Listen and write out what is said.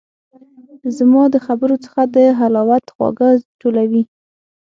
زما د خبرو څخه د حلاوت خواږه ټولوي